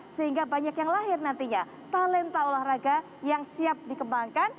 sehingga banyak yang lahir nantinya talenta olahraga yang siap dikembangkan